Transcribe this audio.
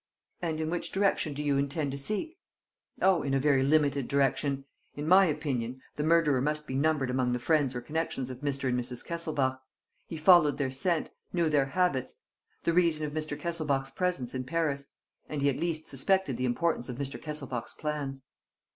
"And in which direction do you intend to seek?" "Oh, in a very limited direction. In my opinion, the murderer must be numbered among the friends or connections of Mr. and Mrs. Kesselbach. He followed their scent, knew their habits, the reason of Mr. Kesselbach's presence in Paris; and he at least suspected the importance of Mr. Kesselbach's plans."